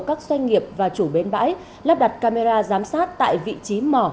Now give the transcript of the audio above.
các doanh nghiệp và chủ bến bãi lắp đặt camera giám sát tại vị trí mỏ